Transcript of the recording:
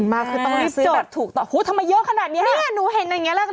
เลขกี่ตัวที่หนูได้มา